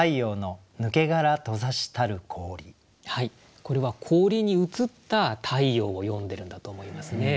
これは氷に映った太陽を詠んでるんだと思いますね。